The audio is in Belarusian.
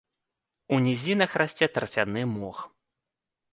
У нізінах расце тарфяны мох.